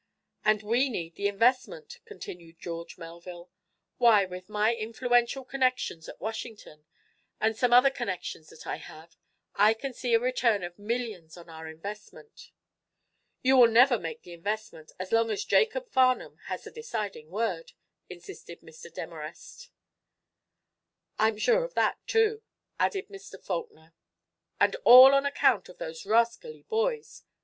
"And we need the investment," continued George Melville. "Why, with my influential connections at Washington, and some other connections that I have, I can see a return of millions on our investment." "You will never make the investment, as long as Jacob Farnum has the deciding word," insisted Mr. Demarest. "I'm sure of that, too," added Mr. Faulkner. "And all on account of those rascally boys!"